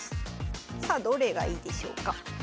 さあどれがいいでしょうか？